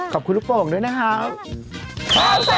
ขอบคุณลูกโป่งด้วยนะครับ